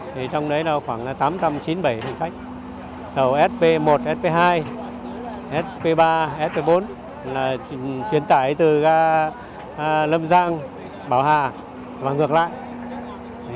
thì trong đấy là khoảng tám trăm chín mươi bảy hành khách tàu sp một sp hai sp ba s bốn là truyền tải từ ga lâm giang bảo hà và ngược lại